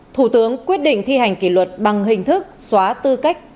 thủ tướng quyết định thi hành kỷ luật bằng hình thức xóa tư cách